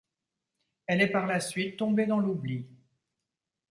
Elle est par la suite tombée dans l'oubli.